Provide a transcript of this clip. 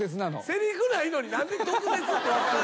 せりふないのに何で毒舌って分かる？